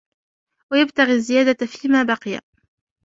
وَيَبْتَغِي الزِّيَادَةَ فِيمَا بَقِيَ